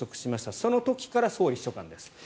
その時から総理秘書官です。